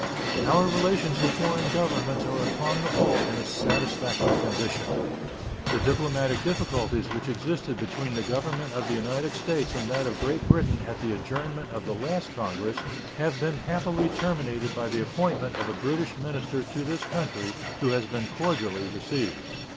Our relations with foreign governments are upon the whole in a satisfactory condition. The diplomatic difficulties which existed between the Government of the United States and that of Great Britain at the adjournment of the last Congress have been happily terminated by the appointment of a British minister to this country, who has been cordially received.